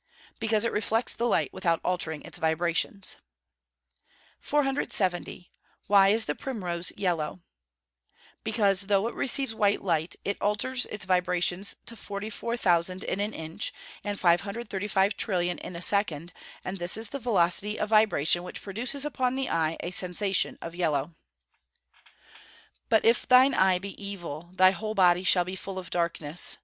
_ Because it reflects the light without altering its vibrations. 470. Why is the primrose yellow? Because, though it receives white light, it alters its vibrations to 44,000 in an inch, and 535,000,000,000,000 in a second, and this is the velocity of vibration which produces upon the eye a sensation of yellow. [Verse: "But if thine eye be evil, thy whole body shall be full of darkness.